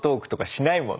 しない。